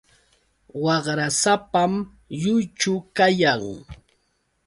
Waqrasapam lluychu kayan.